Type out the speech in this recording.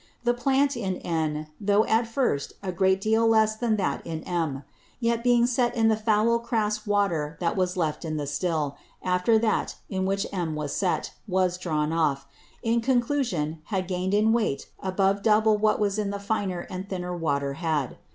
The Plant in N, tho' at first a great deal less than that in M; yet being set in the foul crass Water that was left in the Still, after that, in which M was set, was drawn off, in Conclusion had gain'd in weight above double what that in the finer and thinner Water had.